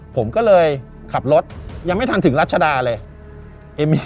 ผมก็เลยขับรถยังไม่ทันถึงรัชดาเลย